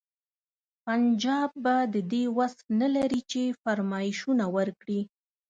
پنجاب به د دې وس نه لري چې فرمایشونه ورکړي.